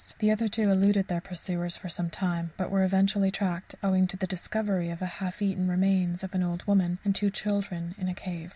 The other two eluded their pursuers for some time, but were eventually tracked owing to the discovery of the half eaten remains of an old woman and two children in a cave.